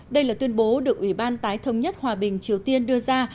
đây là tuyên bố được ủy ban tái thống nhất hòa bình triều tiên đưa ra